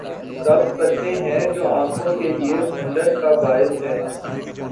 سبز پتے ہیں جو آنکھوں کے لیے ٹھنڈک کا باعث ہیں۔